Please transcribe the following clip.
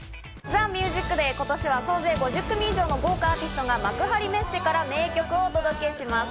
『ＴＨＥＭＵＳＩＣＤＡＹ』、今年は総勢５０組以上の豪華アーティストが幕張メッセから名曲をお届けします。